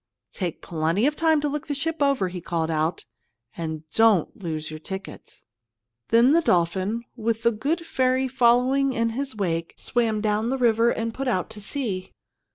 "Take plenty of time to look the ship over," he called out; "and don't lose your ticket!" Then the dolphin, with The Good Ferry following in his wake, swam down the river and put out to sea.